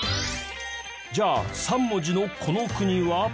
じゃあ３文字のこの国は？